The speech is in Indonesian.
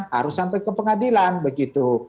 harus sampai ke pengadilan begitu